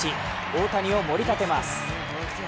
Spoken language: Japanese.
大谷を盛り立てます。